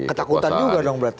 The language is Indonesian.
ketakutan juga dong berarti